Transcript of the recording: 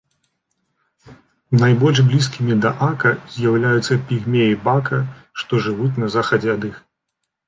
Найбольш блізкімі да ака з'яўляюцца пігмеі бака, што жывуць на захад ад іх.